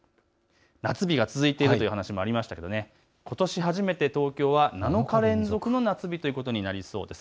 夏日が続いているという話もありましたが、ことし初めて東京は７日連続夏日ということになりそうです。